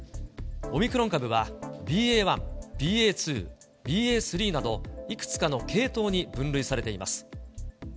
オミクロン株はＢＡ．１、ＢＡ．２、ＢＡ．３など、いくつかの系統に分類されています。